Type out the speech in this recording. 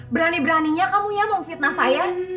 berani beraninya kamu ya mau fitnah saya